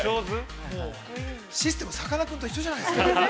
◆システム、さかなクンと一緒じゃないですか。